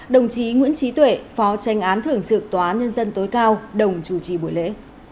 đồng chí nguyễn trí tuệ phó tranh án thưởng trực tòa án nhân dân tối cao đồng chủ trì buổi lễ